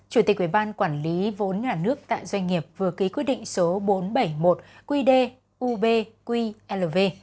chủ tịch uban quản lý vốn nhà nước tại doanh nghiệp vừa ký quyết định số bốn trăm bảy mươi một qdubqlv